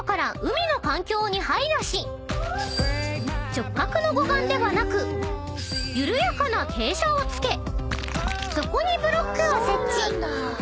［直角の護岸ではなく緩やかな傾斜をつけそこにブロックを設置］